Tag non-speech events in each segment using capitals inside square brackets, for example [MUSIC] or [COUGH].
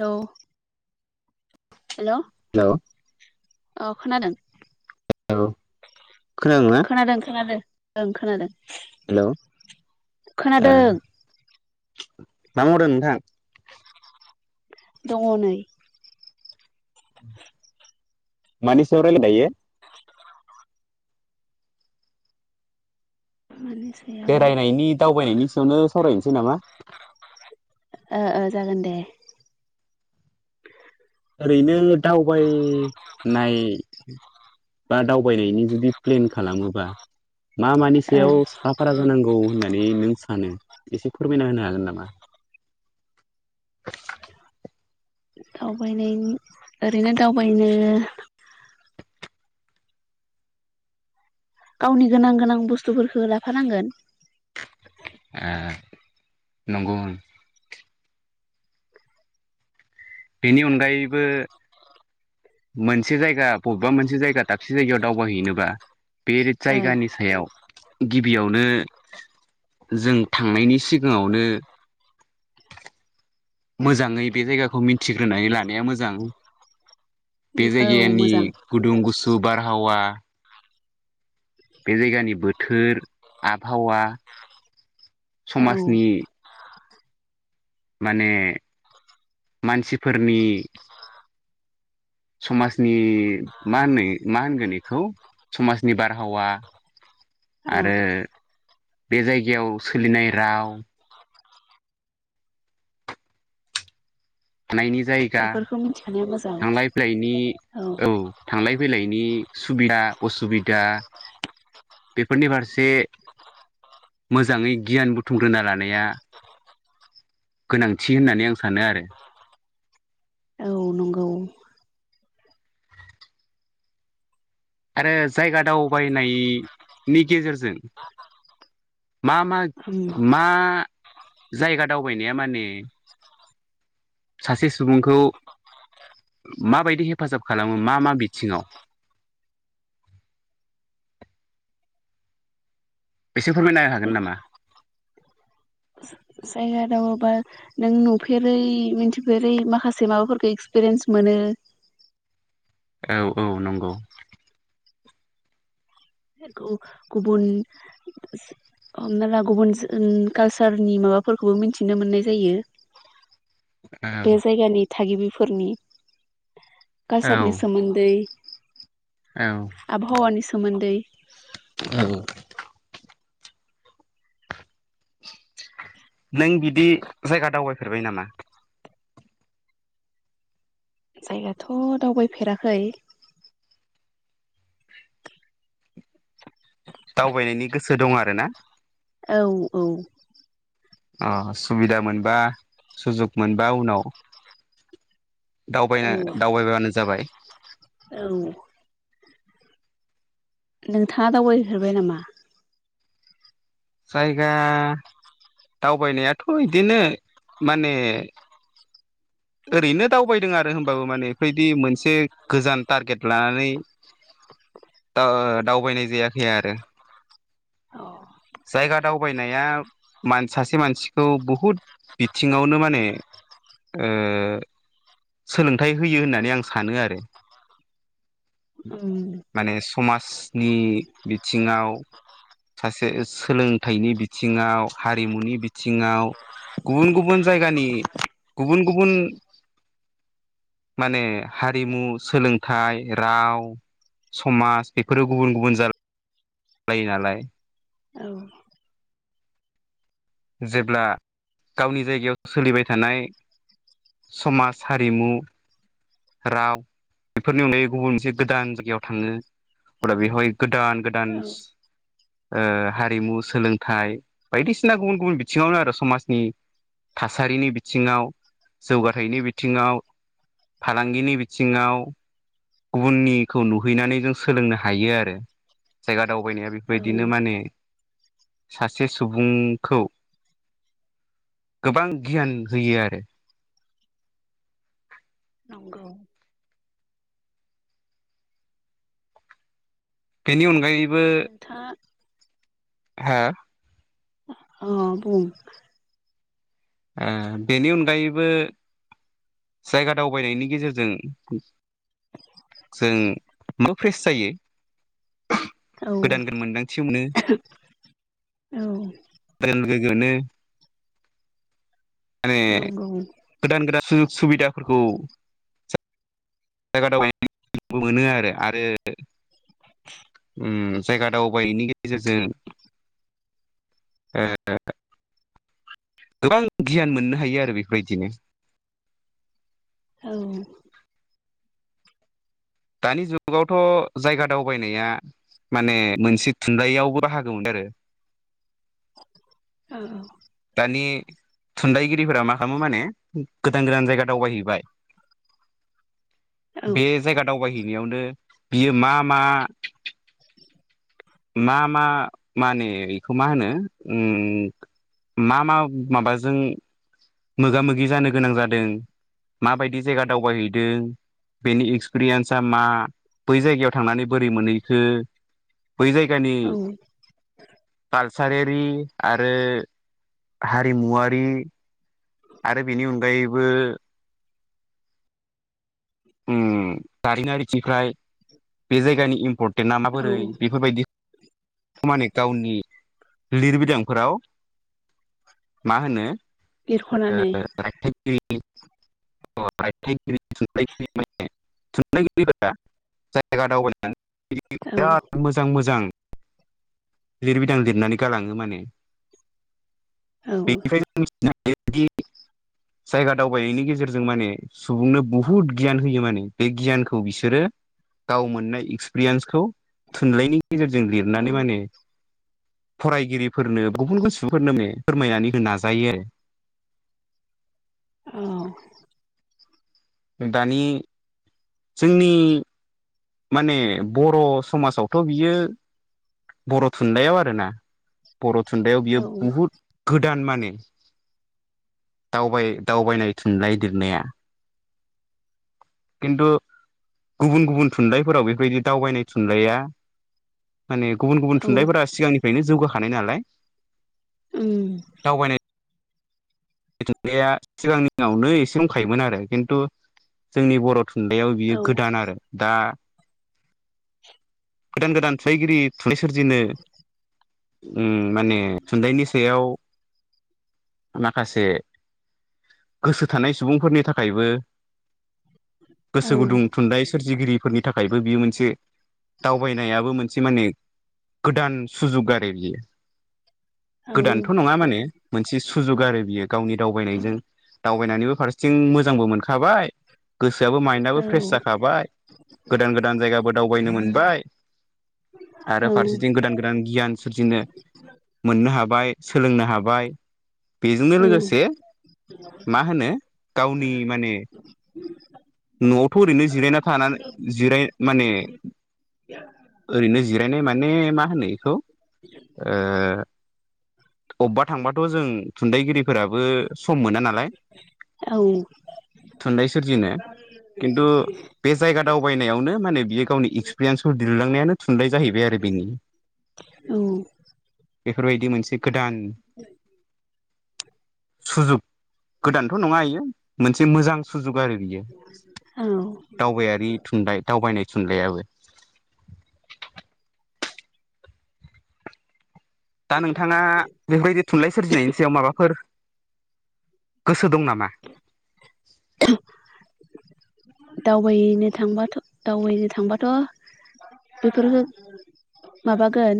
Hello [UNINTELLIGIBLE] हेल' hello औ खोनादों। Hello [UNINTELLIGIBLE] खोनादों ना? ओं खोनादों हेलौ खोनादों मा मावदों नोंथां दङ नै मानि सायाव रायलायो दायो। माने बेरायनायनि दावबायनायनि सायावनो सावरायनोसै नामा? ओ ओ जागोन दे। ओरैनो दावबायनाय बा दावबायनायनि जुदि प्लेन खालामोबा मा मानि ओ सायाव साखाफारा जानांगौ होननाय माने नों सानो एसे फोरमायना होनो हागोन नामा? [INAUDIBLE] दावबायनाय ओरैनो दावबायनो गावनि गोनां गोनां बुसथुफोरखौ लाफानांगोन। ओ नंगौ बेनि अनगायैबो मोनसे जायगा बबेबा मोनसे जायगा दाबसे जायगायाव दावबाय हैनोबा बे औ जायगानि सायाव गिबियावनो जों थांनायनि सिगाङावनो [INAUDIBLE] मोजाङै बे जायगाखौ मिथिग्रोनानै लानाया मोजां। बे औ जायगानि मोजां गुदुं गुसु बारहावा बे जायगानि बोथोर आबहावा औ समाजनि माने मानसिफोरनि समाजनि मा होनो मा होनगोन बेखौ समाजनि बारहावा औ आरो बे जायगायाव सोलिनाय राव थानायनि जायगा बेफोरखौ मिथिखानाया मोजां थांलाय फैलायनि औ थांलाय फैलायनि सुबिदा असुबिदा बेफोरनि फारसे मोजाङै गियान बुथुमग्रोना लानाया गोनांथि होननानै आं सानो आरो। औ नंगौ आरो जायगा दावबायनायनि गेजेरजों मा मा उम मा जायगा दावबायनाया माने सासे सुबुंखौ माबायदि हेफाजाब खालामो मा मा बिथिङाव [INAUDIBLE] एसे फोरमायनो हागोन नामा? जायगा दावबायोबा नों नुफेरै मिथिफेरै माखासे माबाफोरखौ एक्सपिरियेन्स मोनो। [INAUDIBLE] औ औ नंगौ गुबुन हमना ला गुबुन कालसारनि माबाफोरखौबो मिथिनो मोननाय जायो। औ बे जायगानि थागिबिफोरनि औ कालसारनि सोमोनदै आबहावानि सोमोन्दै औ नों बिदि जायगा दावबायफेरबाय नामा? जायगाथ' दावबायफेराखै। दावबायनायनि गोसो दं आरो ना? औ औ अ सुबिदा मोनबा सुजुग मोनबा उनाव दावबायनो दावबायबानो जाबाय। औ नोंथाङा दावबायहैफेरबाय नामा? जायगा दावबायनायाथ' इदिनो माने ओरैनो दावबायदों आरो होमबाबो माने बेफोरबायदि मोनसे गोजान टारगेट लानानै [INAUDIBLE] दा ओ दावबायनाय जायाखै आरो। अ जायगा दावबायनाया मान सासे मानसिखौ बहुद बिथिङावनो माने [INAUDIBLE] ओ सोलोंथाइ होयो होननानै आं सानो आरो। उम माने समाजनि बिथिङाव सासे सोलोंथाइनि बिथिङाव हारिमुनि बिथिङाव गुबुन गुबुन जायगानि गुबुन गुबुन माने हारिमु, सोलोंथाइ, राव समाज बेफोरो गुबुन गुबुन जार लायो नालाय। औ जेब्ला गावनि जायगायाव सोलिबाय थानाय समाज, हारिमु, राव, बेफोरनि अनगायै गुबुन मोनसे गोदान जायगायाव थाङो अब्ला बेवहाय गोदान औ गोदान्स ओ हारिमु सोलोंथाइ बायदिसिना गुबुन गुबुन बिथिङावनो आरो समाजनि थासारिनि बिथिङाव जौगानायनि बिथिङाव फालांगिनि बिथिङाव गुबुननिखौ नुहैनानै जों सोलोंनो हायो आरो जायगा दावबायनाया औ बेफोरबायदिनो माने सासे सुबुंखौ गोबां गियान होयो आरो। नंगौ बेनि अनगायै नोंथाङा हा अ बुंं ओ बेनि अनगायैबो जायगा दावबायनायनि गेजेरजों जों मा फेस जायो औ गोदान गोदान मोनदांथिबो औ मोनो [UNINTELLIGIBLE] गोगोनो माने नंगौ गोदान गोदान सुजुग सुबिदाफोरखौ सा [UNINTELLIGIBLE] मोनो आरो आरो [INAUDIBLE] उम जायगा दावबायनायनि गेजेरजों ओ गोबां गियान मोननो हायो आरो बेफोरबायदिनो। औ दानि जुगावथ' जायगा दावबायनाया माने मोनसे थुनलायाव बाहागो मोनदों आरो। औ नि थुनलाइगिरिफोरा मा खालामो माने गोदान गोदान जायगा दावबायहैबाय। [INAUDIBLE] औ बे जायगा दावबायहैनायावनो बियो मा मा? [INAUDIBLE] मा मा माने बेखौ मा होनो ओम? मा मा माबाजों मोगा मोगि जानो गोनां जादों। माबायदि जायगा दावबायहैदों। बेनि एक्सपिरियेनया मा बै जायगायाव थांनानै बोरै मोनहैखो? बै जायगानि औ बार थासारियारि आरो हारिमुवारि आरो बेनि अनगायैबो ओ दारिनारिथिफ्राय [UNINTELLIGIBLE] बे जायगानि इम्पर्टे ना औ माबोरै बेफोरबायदि माने गावनि लिरबिदांफोराव मा होनो? ओ एरख'नानै [UNINTELLIGIBLE] थुनलाइगिरिफोरा जायगा दावबायनानै बि औ बिराद मोजां मोजां लिरबिदां लिरनानै गालाङो माने औ बेनिफ्राय नदि [UNINTELLIGIBLE] जायगा दावबायनायनि गेजेरजों माने सुबुंनो बहुद गियान होयो माने बे गियानखौ बिसोरो गाव मोननाय एक्सपिरियेन्सखौ थुनलाइनि गेजेरजों औ लिरनानै माने फरायगिरिफोरनो गुबुन [UNINTELLIGIBLE] गोसोफोरनो [UNINTELLIGIBLE] फोरमायनानै होनो नाजायो आरो। औ दानि जोंनि माने बर' समाजावथ' बियो बर' थुनलाइयाव आरोना बर' थुनलाइयाव बियो औ बुहुत गोद दान मानि दावबाय दावबायनाय थुननायइ लिरनाया खिनथु गुबुन गुबुन थुनलाइफोराव बेबायदि दावबायनाय थुनलाइया माने गुबुन औ गुबुन थुनलाइफोरा सिगांनिफ्रायनो जौगाखानाय नालाय। ओम नाया सिगांनि दिनावनो एसे दंखायोमोन आरो खिनथु जोंनि बर' नुनायाव औ बियो गोदान आरो दा [INAUDIBLE] गोदान गोदान थुनलाइगिरि थुनलाइ सोरजिनो ओम माने थुनथाइनि सायाव माखासे गोसो थानाय सुबुंफोरनि थाखायबो औ गोसो गुदुं थुनलाइ सोरजिगिरिफोरनि थाखायबो बियो मोनसे दावबायनायाबो मोनसे माने गोदान सुजुग आरो बियो औ गोदानथ' नङा माने मोनसे सुजुग आरो बियो गावनि दावबायनायजों दावबायनानैबो फारसेथिं मोजांबो मोनखाबाय गोसोयाबो माइन्दआबो फ्रेस जाखाबाय गोदान गोदान जायगाबो दावबायनो मोनबाय। आरो औ फारसेथिं गोदान गोदान गियान सोरजिनो मोननो हाबाय। हाय सोलोंनो हाबाय। बेजोंनो लोगोसे मा होनो गावनि माने न'आवथ' ओरैनो जिरायना थानानै जिराय माने। ओरैनो जिरायनाय माने मा होनो एखौ ओ अबेबा थांबाथ' जों थुनलाइगिरिफोराबो सम मोना नालाय। औ थुनलाइ सोरजिनो खिनथु बे जायगा दावबायनायावनो माने बियो गावनि एक्सपिरियेन्सफोर लिरलांनायानो थुनलाइ जाहैबाय आरो बेनि बेफोर बायदि मोनसे गोदान सुजुग गोदानथ' नङा इयो मोनसे मोजां सुजुग आरोखि औ दावबायारि थुनलाइ दावबायनाय थुनलाइबो दा नोंथाङा बेफोरबायदि थुनलाइ सोरजिनायनि सायाव माबाफोर गोसो दं नामा? दावबायनो थांबाथ' दावबायनो थांबाथ' बेफोर माबागोन।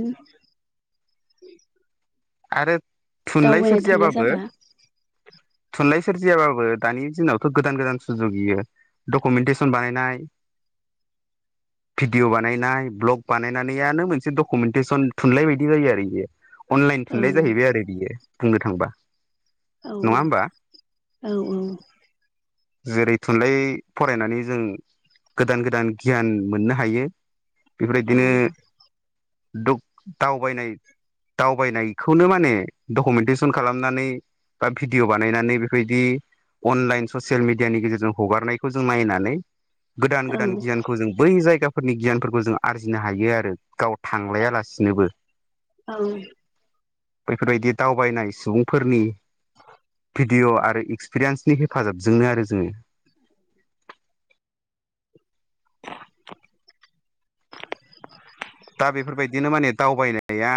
आरो थुनलाइ दावबायनो थांनाय सोरजियाबाबो। जाबा थुनलाइ सोरजियाबाबो दानि दिनावथ' गोदान गोदान सुजुगयो डकुमेन्टेसन बानायनाय। [INAUDIBLE] भिडिअ बानायनाय भ्लग बानायनानैानो मोनसे डकुमेन्टेसन थुनलाइ बायदि जायो आरो बेयो अ।। औ थुनलानाय जाहैबाय आरो बियो बुंनो थांबा औ नङा होमबा औ औ। जेरै थुनलाइ फरायनानै जों गोदान गोदान गियान मोननो हायो। औ बेफोरदिनो दावबायनाय दावबायनाय। खौनो माने डकुमेन्टेसन खालामनानै बा भिडिअ' बानायनानै बेबायदि। अनलाइन ससियेल मिडियानि गेजेरजों हगारनायखौ जों नायनानै। गोदान गोदान गियानखौ जों बै जायगाफोरनि गियानफोरखौ जों आरजिनो हायो आरो। गाव थांलायालासिनोबो। औ बेफोरबायदि दावबायनाय सुबुंफोरनि भिडिअ आरो एक्सपिरियेन्सनि हेफाजाबजोंनो आरो जोङो। दा बेफोरबायदिनो माने दावबायनाया